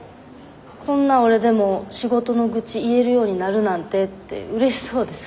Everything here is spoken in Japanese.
こんな俺でも仕事の愚痴言えるようになるなんてってうれしそうでさ。